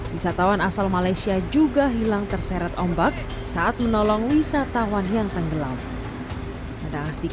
wisatawan asal malaysia juga hilang terseret ombak saat menolong wisatawan yang tenggelam